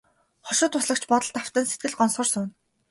Хошуу туслагч бодолд автан сэтгэл гонсгор сууна.